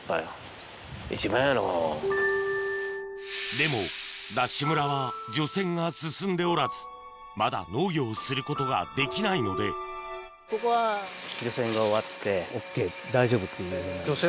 でもＤＡＳＨ村は除染が進んでおらずまだ農業をすることができないので除染終わってね。